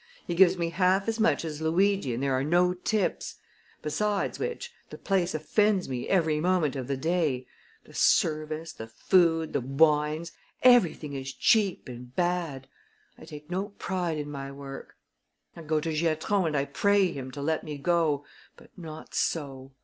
He gives me half as much as Luigi and there are no tips; besides which the place offends me every moment of the day. The service, the food, the wines everything is cheap and bad. I take no pride in my work. "I go to Giatron and I pray him to let me go. But not so!